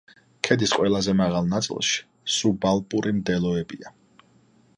ქედის ყველაზე მაღალ ნაწილში სუბალპური მდელოებია.